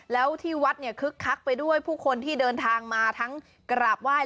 แล้วที่วัดเนี่ยคึกคักไปด้วยผู้คนที่เดินทางมาทั้งกราบไหว้